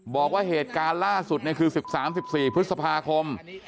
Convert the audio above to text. บอกว่าเหตุการณ์ล่าสุดคือ๑๓๑๔พฤษภาคม